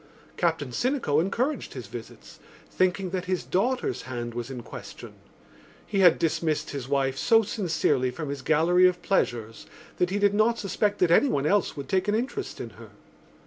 Captain Sinico encouraged his visits, thinking that his daughter's hand was in question. He had dismissed his wife so sincerely from his gallery of pleasures that he did not suspect that anyone else would take an interest in her.